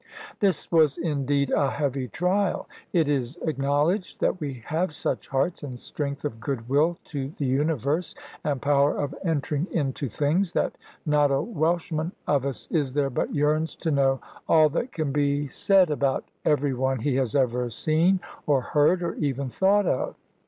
This was, indeed, a heavy trial. It is acknowleged that we have such hearts, and strength of goodwill to the universe, and power of entering into things, that not a Welshman of us is there but yearns to know all that can be said about every one he has ever seen, or heard, or even thought of.